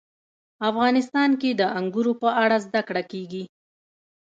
افغانستان کې د انګور په اړه زده کړه کېږي.